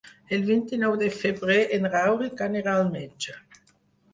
El vint-i-nou de febrer en Rauric anirà al metge.